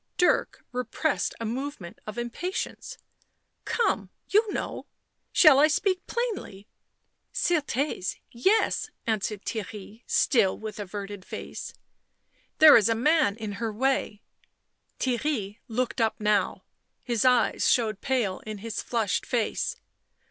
Dirk repressed a movement of impatience. " Come, you know. Shall I speak plainly?" u Certes !— yes," answered Theirry, still with averted face. " There is a man in her way." Theirry looked up now; his eyes showed pale in his flushed face.